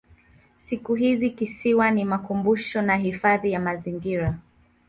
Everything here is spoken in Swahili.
Siku hizi kisiwa ni makumbusho na hifadhi ya mazingira.